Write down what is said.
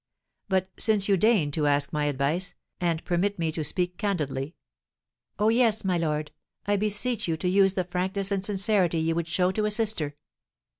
But, since you deign to ask my advice, and permit me to speak candidly " "Oh, yes, my lord, I beseech you to use the frankness and sincerity you would show to a sister!"